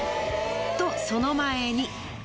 とその前に。